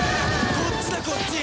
こっちだこっち！